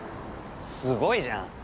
すごいじゃん。